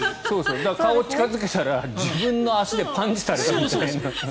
顔を近付けたら自分の足でパンチされたみたいな。